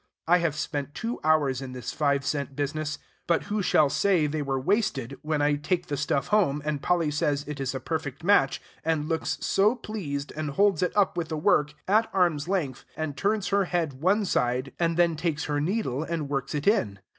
I have spent two hours in this five cent business; but who shall say they were wasted, when I take the stuff home, and Polly says it is a perfect match, and looks so pleased, and holds it up with the work, at arm's length, and turns her head one side, and then takes her needle, and works it in?